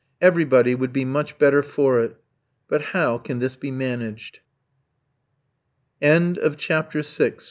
Everybody would be much better for it. But how can this be managed? CHAPTER VII.